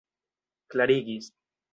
klarigis